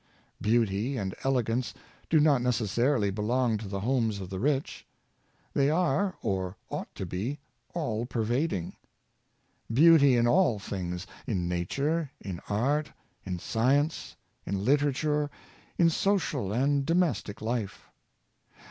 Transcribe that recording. Beauty and elegance do not necessarily belong to the homes of the rich. They are, or ought to be, all prevading. Beauty in all things — in nature, in art, in science, in literature, in social and domestic life.